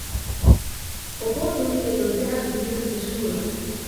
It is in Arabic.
أوبونتو هي توزيعة لينكس مشهورة.